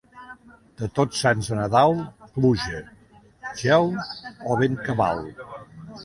De Tots Sants a Nadal, pluja, gel o vent cabal.